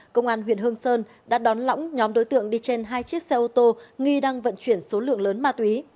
công an huyện hương sơn đã đón lõng nhóm đối tượng đi trên hai chiếc xe ô tô nghi đang vận chuyển số lượng lớn ma túy